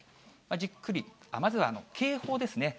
じっくり、まずは警報ですね。